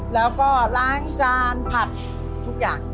แล้วก็ล้างจานผัดทุกอย่าง